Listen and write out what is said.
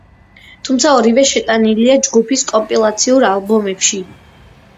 თუმცა, ორივე შეტანილია ჯგუფის კომპილაციურ ალბომებში.